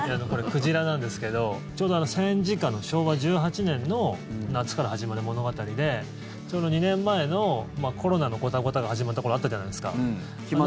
これ、鯨なんですけどちょうど戦時下の昭和１８年の夏から始まる物語でちょうど２年前のコロナのゴタゴタが始まった頃があったじゃないですか。